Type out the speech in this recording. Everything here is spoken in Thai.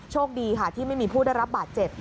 โชคดีค่ะที่ไม่มีผู้ได้รับบาดเจ็บ